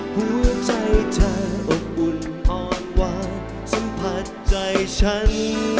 หัวใจเธออบอุ่นอ่อนวางสัมผัสใจฉัน